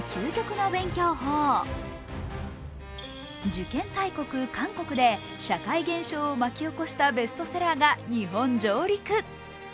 受験大国・韓国で社会現象を巻き起こしたベストセラーが日本上陸。